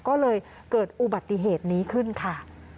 ก็เลยเกิดอุบัติเหตุนี้ขึ้นค่ะ